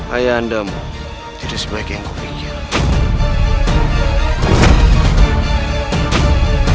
ayah anda tidak sebaik yang kupikir